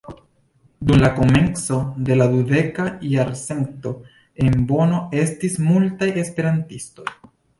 Dum la komenco de la dudeka jarcento en Bono estis multaj esperantistoj.